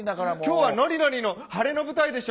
今日はのりのりの晴れの舞台でしょ。